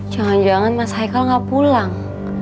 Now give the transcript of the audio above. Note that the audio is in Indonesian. jangan jangan mas haikal nggak pulang